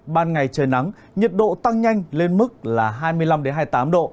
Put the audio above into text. ban ngày trời nắng nhiệt độ tăng nhanh lên mức là hai mươi năm hai mươi tám độ